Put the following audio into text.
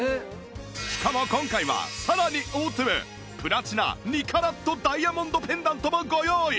しかも今回はさらに大粒プラチナ２カラットダイヤモンドペンダントもご用意